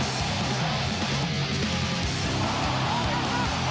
สวัสดีครับ